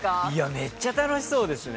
めっちゃ楽しそうですね。